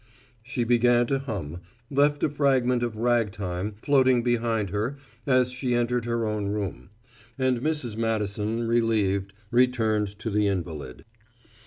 She began to hum; left a fragment of "rag time" floating behind her as she entered her own room; and Mrs. Madison, relieved, returned to the invalid.